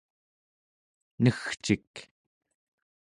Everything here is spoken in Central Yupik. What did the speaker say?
negcik